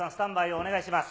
お願いします。